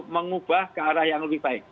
mengubah ke arah yang lebih baik